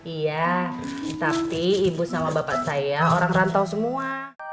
iya tapi ibu sama bapak saya orang rantau semua